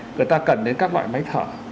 người ta cần đến các loại máy thở